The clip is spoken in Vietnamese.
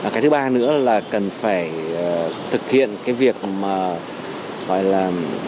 cái thứ ba nữa là cần phải thực hiện cái việc mà gọi là